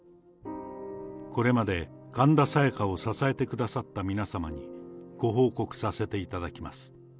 これまで神田沙也加を支えてくださった皆様に、ご報告させていただきます。